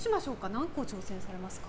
何個挑戦されますか？